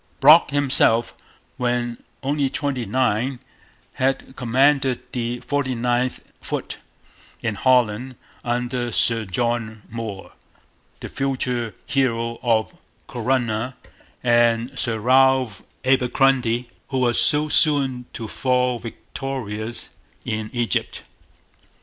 Brock himself, when only twenty nine, had commanded the 49th Foot in Holland under Sir John Moore, the future hero of Corunna, and Sir Ralph Abercromby, who was so soon to fall victorious in Egypt.